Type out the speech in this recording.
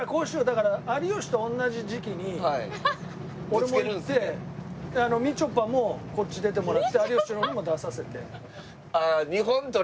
だから有吉と同じ時期に俺も行ってみちょぱもこっち出てもらって有吉の方にも出させて。